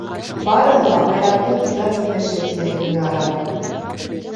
— Барыһы ла Айраттың ижад емеше, — тине Гөлнара.